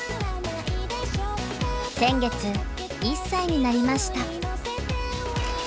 先月１歳になりました。